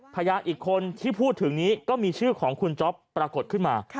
พยานอีกคนที่พูดถึงนี้ก็มีชื่อของคุณจ๊อปปรากฏขึ้นมา